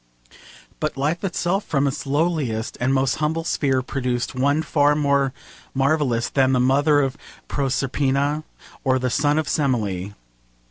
But Life itself from its lowliest and most humble sphere produced one far more marvellous than the mother of Proserpina or the son of Semele.